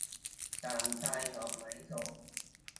สามชาย - ดอกไม้สด